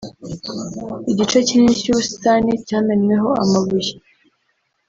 Igice kinini cy'ubusitani cyamenweho amabuye